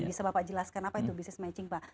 bisa bapak jelaskan apa itu busines matching pak